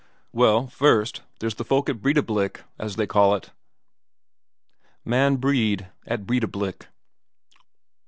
"Well, first, there's the folk at Breidablik, as they call it man Brede, at Breidablik."